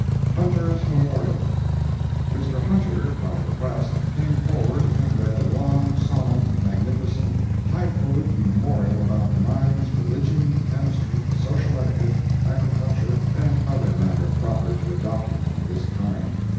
HUNTER'S MEMORIAL Mr. Hunter, by request, came forward and read a long, solemn, magnificent, hifalutin memorial about the mines, religion, chemistry, social etiquette, agriculture, and other matter proper to a document of this kind.